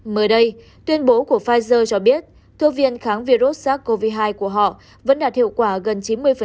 mới đây tuyên bố của pfizer cho biết thuốc viên kháng virus sars cov hai của họ vẫn đạt hiệu quả gần chín mươi